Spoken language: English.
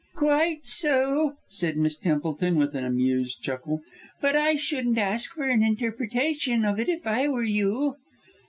"Quite so," said Miss Templeton with an amused chuckle, "but I shouldn't ask for an interpretation of it if I were you."